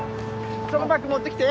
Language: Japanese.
そのバッグ持ってきて。